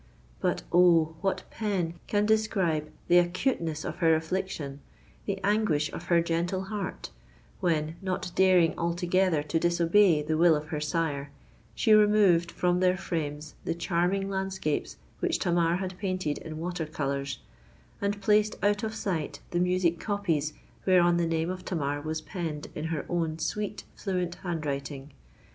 But, oh! what pen can describe the acuteness of her affliction—the anguish of her gentle heart, when, not daring altogether to disobey the will of her sire, she removed from their frames the charming landscapes which Tamar had painted in water colours, and placed out of sight the music copies whereon the name of Tamar was penned in her own sweet, fluent handwriting!